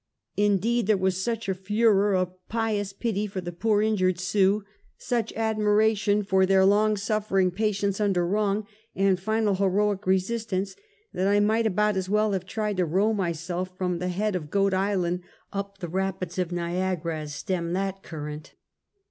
Indeed, there was such a furor of pious pity for the poor injured Sioux, such admiration for their long suffering patience under wrong, and final lieroic resistance, that I might about as well have tried to row myself fi om the head of Goat Island up the rap ids of ll^iagara, as stem that current.